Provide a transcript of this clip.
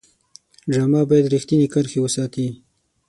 ډرامه باید رښتینې کرښې وساتي